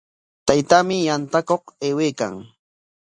Taytaami yantakuq aywaykan.